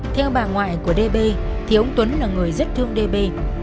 theo bà ngoại của đê bê thì ông tuấn là người rất thương đê bê